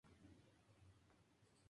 Estudió en el Seminario de Monterrey.